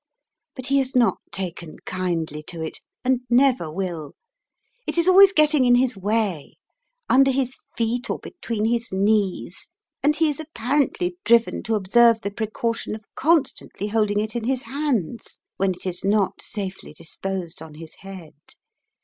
But he has not taken kindly to it, and never will. It is always getting in his way, under his feet or between his knees, and he is apparently driven to observe the precaution of constantly holding it in his hands when it is not safely disposed on his head.